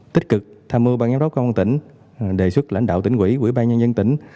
tích cực tham mưu bang giám đốc công an tỉnh đề xuất lãnh đạo tỉnh quỹ quỹ ban nhân dân tỉnh